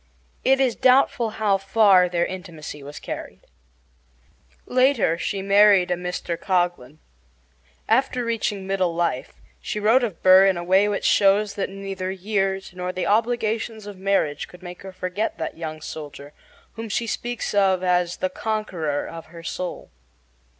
It is doubtful how far their intimacy was carried. Later she married a Mr. Coghlan. After reaching middle life she wrote of Burr in a way which shows that neither years nor the obligations of marriage could make her forget that young soldier, whom she speaks of as "the conqueror of her soul."